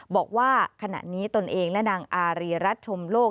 บอกว่าขณะนี้ตนเองและนางอารีรัฐชมโลก